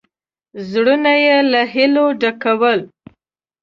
زړونه یې له هیلو ډکول.